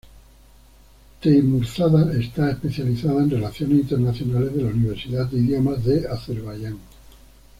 Teymurzadə está especializada en Relaciones Internacionales de la Universidad de Idiomas de Azerbaiyán.